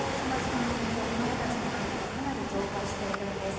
感染症子供たちの間でかなり増加しているんです。